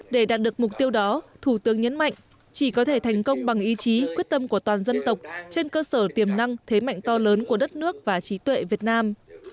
để đạt được mục tiêu đó thủ tướng nhấn mạnh chỉ có thể thành công bằng ý chí quyết tâm của toàn dân tộc trên cơ sở tiềm năng thế mạnh to lớn của đất nước và trí tuệ việt nam